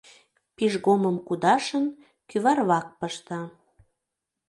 Пижгомым кудашын, кӱварвак пышта.